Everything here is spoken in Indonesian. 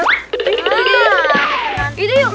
nah itu yuk